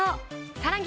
さらに。